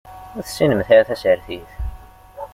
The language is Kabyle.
Ur tessinemt ara tasertit.